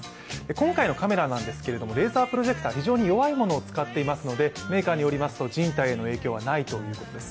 今回のカメラなんですけれども、レーザープロジェクター、非常に弱いものを使っていますのでメーカーによりますと人体への影響はないということです。